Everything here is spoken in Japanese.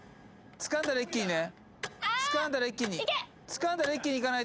つかんだら一気にね